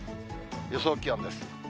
予想気温です。